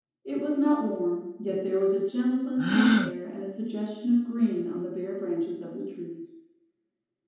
It was not warm, yet there was a gentleness in the air and a suggestion of green on the bare branches of the trees.